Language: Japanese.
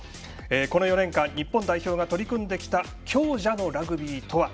この４年間日本代表が取り組んできた強者のラグビーとは。